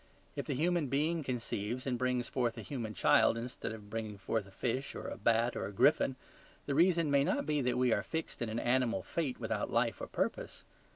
If the human being conceives and brings forth a human child instead of bringing forth a fish, or a bat, or a griffin, the reason may not be that we are fixed in an animal fate without life or purpose.